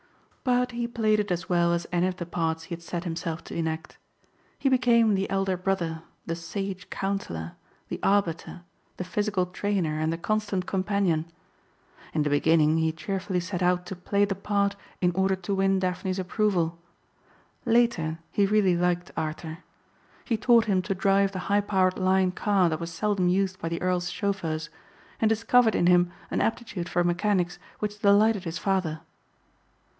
But he played it as well as any of the parts he had set himself to enact. He became the elder brother, the sage counsellor, the arbiter, the physical trainer and the constant companion. In the beginning he cheerfully set out to play the part in order to win Daphne's approval. Later he really liked Arthur. He taught him to drive the high powered Lion car that was seldom used by the earl's chauffeurs and discovered in him an aptitude for mechanics which delighted his father.